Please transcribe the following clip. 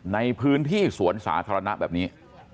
ในพื้นที่สวนสาธารณะแบบนี้